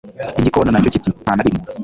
igikona nacyo kiti, nta na rimwe